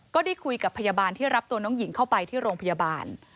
ก็ได้คุยกับพยาบาลที่รับตัวน้องหญิงเข้าไปที่โรงพยาบาล